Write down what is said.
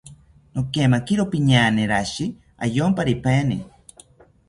Nokemakiro piñaane rashi ayomparipaeni